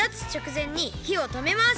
ぜんにひをとめます。